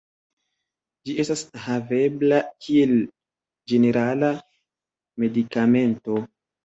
Ĝi estas havebla kiel ĝenerala medikamento.